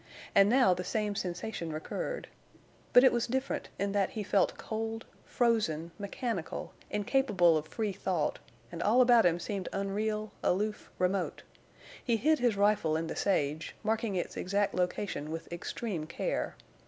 And now the same sensation recurred. But it was different in that he felt cold, frozen, mechanical incapable of free thought, and all about him seemed unreal, aloof, remote. He hid his rifle in the sage, marking its exact location with extreme care.